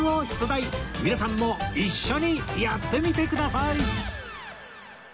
皆さんも一緒にやってみてください！